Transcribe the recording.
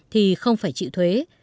thì không phải chịu thuế